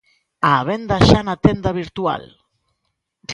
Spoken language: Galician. Á venda xa na tenda virtual.